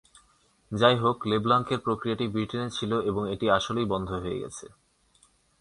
যাইহোক, লেব্লাঙ্কের প্রক্রিয়াটি ব্রিটেনে ছিল এখন এটি আসলেই বন্ধ হয়ে গেছে।